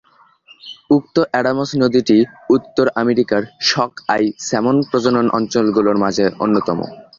উক্ত অ্যাডামস নদীটি উত্তর আমেরিকার শক-আই স্যামন প্রজনন অঞ্চলগুলোর মাঝে অন্যতম।